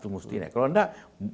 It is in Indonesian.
mesti naik kalau tidak